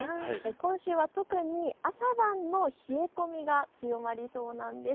今週は特に朝晩の冷え込みが強まりそうなんです。